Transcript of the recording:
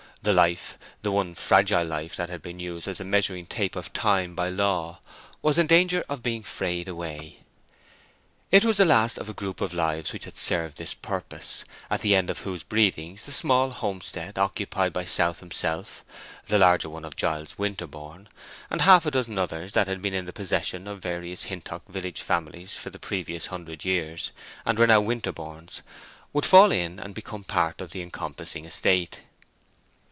The life—the one fragile life—that had been used as a measuring tape of time by law, was in danger of being frayed away. It was the last of a group of lives which had served this purpose, at the end of whose breathings the small homestead occupied by South himself, the larger one of Giles Winterborne, and half a dozen others that had been in the possession of various Hintock village families for the previous hundred years, and were now Winterborne's, would fall in and become part of the encompassing estate.